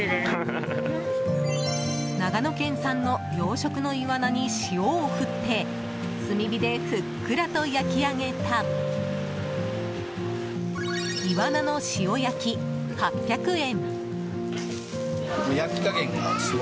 長野県産の養殖のイワナに塩を振って炭火でふっくらと焼き上げたイワナの塩焼き、８００円。